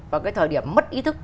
và cái thời điểm mất ý thức